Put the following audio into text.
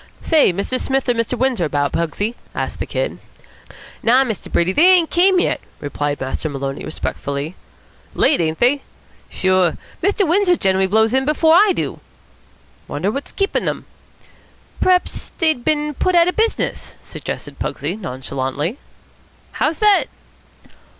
"Say, Mr. Smith or Mr. Windsor about, Pugsy?" asked the Kid. "Naw, Mr. Brady, they ain't came yet," replied Master Maloney respectfully. "Late, ain't they?" "Sure. Mr. Windsor generally blows in before I do." "Wonder what's keepin' them." "P'raps, dey've bin put out of business," suggested Pugsy nonchalantly. "How's that?"